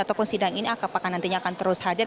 ataupun sidang ini apakah nantinya akan terus hadir